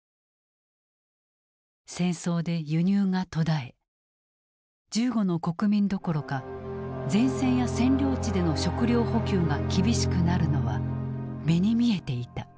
戦争で輸入が途絶え銃後の国民どころか前線や占領地での食糧補給が厳しくなるのは目に見えていた。